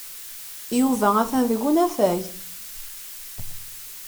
Yuba atan deg unafag.